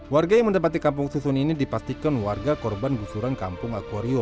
warga yang mendapati kampung susun ini dipastikan warga korban gusuran kampung akwarium